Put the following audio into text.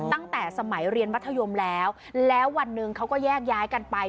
ตั้งแต่สมัยเรียนมัธยมแล้วแล้ววันหนึ่งเขาก็แยกย้ายกันไป